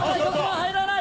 入らない。